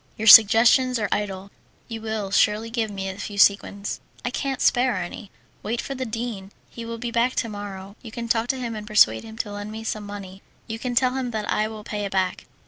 "Your suggestions are idle; you will surely give me a few sequins." "I can't spare any." "Wait for the dean. He will be back to morrow. You can talk to him and persuade him to lend me some money. You can tell him that I will pay it back."